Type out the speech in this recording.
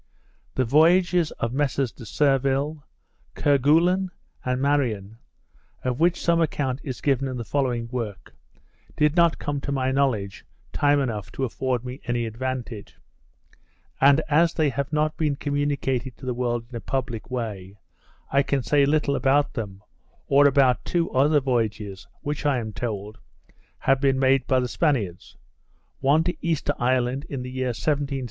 The voyages of Messrs de Surville, Kerguelen, and Marion, of which some account is given in the following work, did not come to my knowledge time enough to afford me any advantage; and as they have not been communicated to the world in a public way, I can say little about them, or about two other voyages, which, I am told, have been made by the Spaniards; one to Easter Island in the year 1769, and the other to Otaheite in 1775.